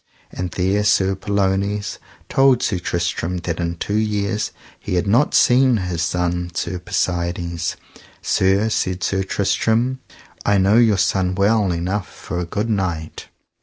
And there Sir Pellounes told Sir Tristram that in two years he had not seen his son, Sir Persides. Sir, said Sir Tristram, I know your son well enough for a good knight.